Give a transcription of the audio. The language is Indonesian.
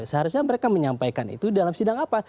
seharusnya mereka menyampaikan itu dalam sidang apa